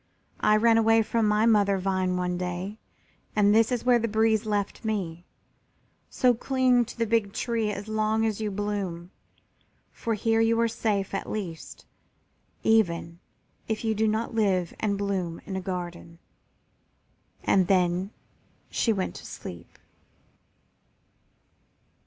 I ran away from my mother vine one day, and this is where the breeze left me; so cling to the big tree as long as you bloom, for here you are safe at least, even if you do not live and bloom in a garden." And then she went to sleep.